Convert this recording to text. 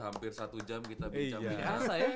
hampir satu jam kita bincang bincang